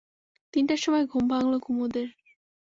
তিনটার সময় ঘুম ভাঙল কুমুদের।